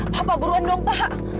papa buruan dong pak